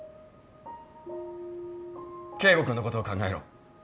圭吾君のことを考えろ。